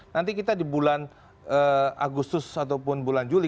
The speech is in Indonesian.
nanti kita di bulan agustus ataupun bulan juli